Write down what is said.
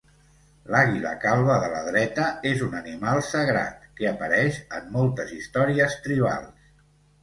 L'àguila calba de la dreta és un animal sagrat, que apareix en moltes històries tribals.